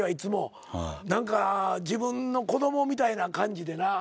何か自分の子供みたいな感じでな。